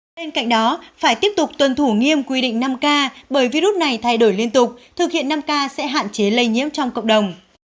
bên cạnh đó phải tiếp tục tuân thủ nghiêm quy định năm k bởi virus này thay đổi liên tục thực hiện năm k sẽ hạn chế lây nhiễm trong cộng đồng